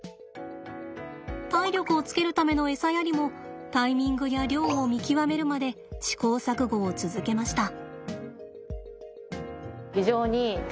体力をつけるためのエサやりもタイミングや量を見極めるまで試行錯誤を続けました。